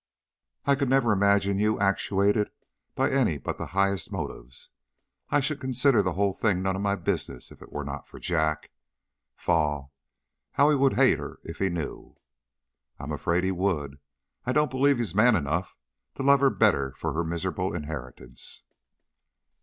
I could never imagine you actuated by any but the highest motives. I should consider the whole thing none of my business if it were not for Jack. Faugh! how he would hate her if he knew!" "I am afraid he would. I don't believe he is man enough to love her better for her miserable inheritance."